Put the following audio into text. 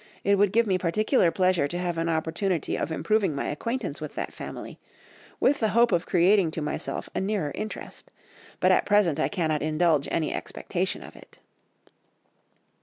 It would give me particular pleasure to have an opportunity of improving my acquaintance with that family—with the hope of creating to myself a nearer interest. But at present I cannot indulge any expectation of it.